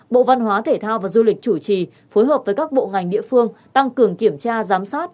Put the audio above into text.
bộ văn hóa thể thao và du lịch chủ trì phối hợp với các bộ ngành địa phương tăng cường kiểm tra giám sát